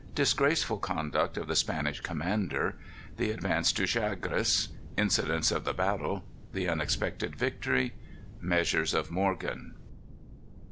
Disgraceful Conduct of the Spanish Commander. The Advance to Chagres. Incidents of the Battle. The Unexpected Victory. Measures of Morgan.